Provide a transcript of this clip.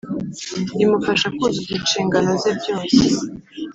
Rimufasha kuzuza inshingano ze byose